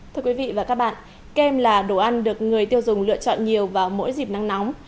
thưa quý vị và các bạn kem là đồ ăn được người tiêu dùng lựa chọn nhiều vào mỗi dịp nắng nóng